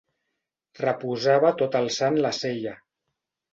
Reposava tot alçant la cella.